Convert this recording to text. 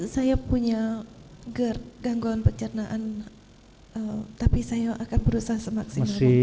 saya punya gerd gangguan pencernaan tapi saya akan berusaha semaksimal mungkin